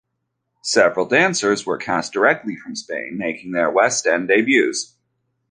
Several dancers were cast directly from Spain, making their West End debuts.